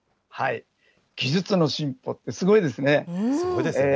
技術の進歩ってすごいですね。